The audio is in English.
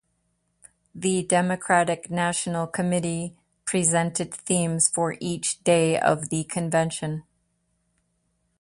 The Democratic National Committee presented themes for each day of the convention.